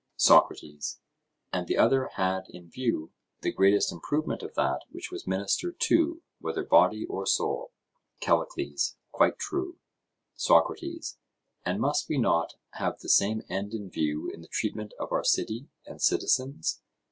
SOCRATES: And the other had in view the greatest improvement of that which was ministered to, whether body or soul? CALLICLES: Quite true. SOCRATES: And must we not have the same end in view in the treatment of our city and citizens?